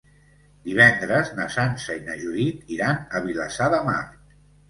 Divendres na Sança i na Judit iran a Vilassar de Mar.